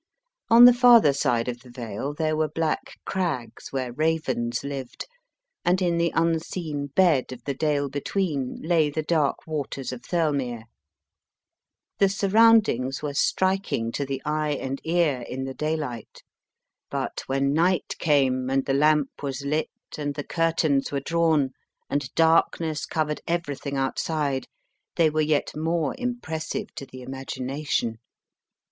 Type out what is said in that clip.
On the farther side of the vale there were black crags where ravens lived, and in the unseen bed of the dale between lay the dark waters of Thirlmere. The surroundings were striking to the eye and ear in the daylight, but when night came, and the lamp HALL CAINE was lit, and the curtains were drawn, and darkness covered everything outside, they were yet more impressive to the imagi nation.